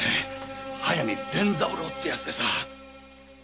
速水連三郎ってヤツでさ。